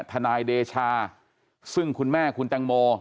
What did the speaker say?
ทนายเดชาซึ่งคุณแม่คุณแตงโม